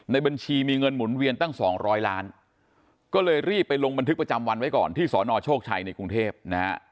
ในบัญชีมีเงินหมุนเวียนตั้งสองร้อยล้านก็เลยรีบไปลงบันทึกประจำวันไว้ก่อนที่สนโชคชัยในกรุงเทพนะฮะ